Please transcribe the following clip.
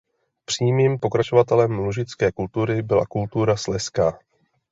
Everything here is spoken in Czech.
Přímým pokračovatelem lužické kultury byla kultura slezská.